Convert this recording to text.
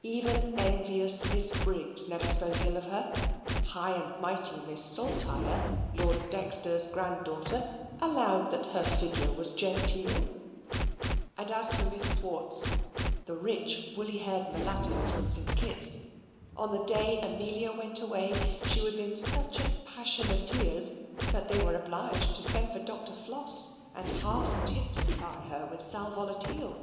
Even envious Miss Briggs never spoke ill of her; high and mighty Miss Saltire (Lord Dexter's granddaughter) allowed that her figure was genteel; and as for Miss Swartz, the rich woolly haired mulatto from St. Kitt's, on the day Amelia went away, she was in such a passion of tears that they were obliged to send for Dr. Floss, and half tipsify her with salvolatile.